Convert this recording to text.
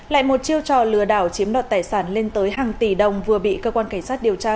lại một chiêu trò lừa đảo chiếm đoạt tài sản lên tới hàng tỷ đồng vừa bị cơ quan cảnh sát điều tra